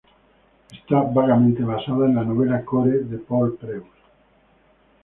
Está vagamente basada en la novela "Core" de Paul Preuss.